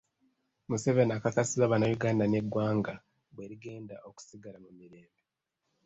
Museveni akakasizza bannayuganda ng’eggwanga bwe ligenda okusigala mu mirembe.